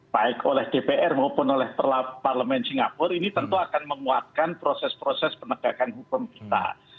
baik oleh dpr maupun oleh parlemen singapura ini tentu akan menguatkan proses proses penegakan hukum kita